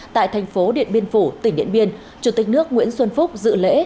tại thành phố điện biên phủ tỉnh điện biên chủ tịch nước nguyễn xuân phúc dự lễ